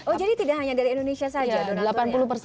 oh jadi tidak hanya dari indonesia saja dong